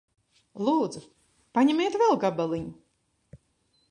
Lūdzu. Paņemiet vēl gabaliņu.